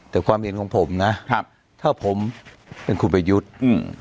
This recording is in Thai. แต่ความเห็นของผมนะครับถ้าผมเป็นคุณประยุทธ์อืม